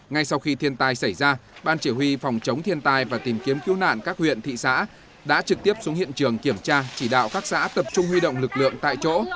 ngay sau khi thiên tai xảy ra ban chỉ huy phòng chống thiên tai và tìm kiếm cứu nạn các huyện thị xã đã trực tiếp xuống hiện trường kiểm tra chỉ đạo các xã tập trung huy động lực lượng tại chỗ